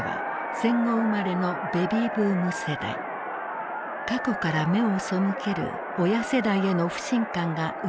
過去から目を背ける親世代への不信感が渦巻いていた。